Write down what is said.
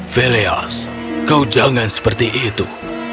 feleas kau jangan seperti itu